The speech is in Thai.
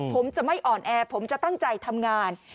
ผมจะไม่อ่อนแอผมจะตั้งใจทำงาน